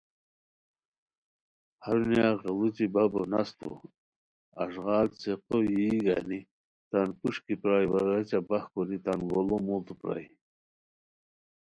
ہرونیہ غیڑوچی بپو نستو اݱغال څیقو یی گانی تان کوݰکی پرائے وا غیچہ باہ کوری تان گوڑو موڑتو پرائے